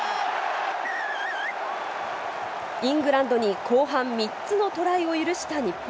イングランドに後半３つのトライを許した日本。